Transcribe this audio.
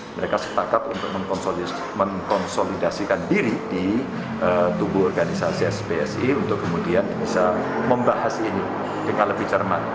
menkonsolidasikan diri di tubuh organisasi spsi untuk kemudian bisa membahas ini dengan lebih cermat